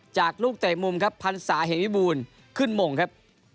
จากลูกตรี่มุมครับพรรษาในนิบูลขึ้นหมงครับ